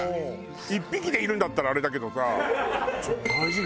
１匹でいるんだったらあれだけどさ。